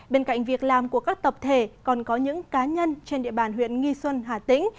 bên cạnh việc làm của các tập thể còn có những cá nhân trên địa bàn huyện nghi xuân hà tĩnh